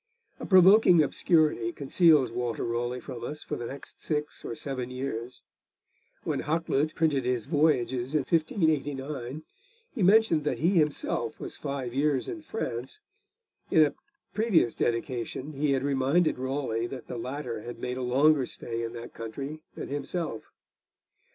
A provoking obscurity conceals Walter Raleigh from us for the next six or seven years. When Hakluyt printed his Voyages in 1589 he mentioned that he himself was five years in France. In a previous dedication he had reminded Raleigh that the latter had made a longer stay in that country than himself.